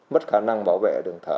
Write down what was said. bất khả năng bảo vệ